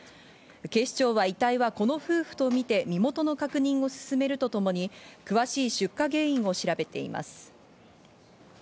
警視庁は遺体がこの夫婦とみて身元の確認を進めるとともに、詳しい出火原因を調べています。